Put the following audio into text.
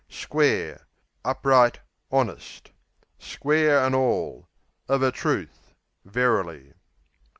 Square Upright, honest. Square an' all Of a truth; verily.